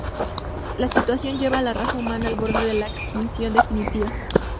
La situación lleva a la raza humana al borde de la extinción definitiva.